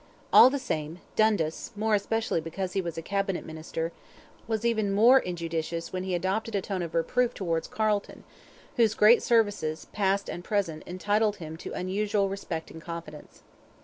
All the same, Dundas, more especially because he was a cabinet minister, was even more injudicious when he adopted a tone of reproof towards Carleton, whose great services, past and present, entitled him to unusual respect and confidence.